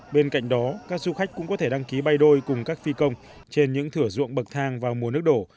bên cạnh đó các du khách cũng có thể đăng ký bay đôi cùng các phi công trên những thửa ruộng bậc thang vào mùa nước đổ